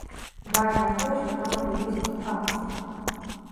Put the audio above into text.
Важна тое, што там ужо ёсць па факце.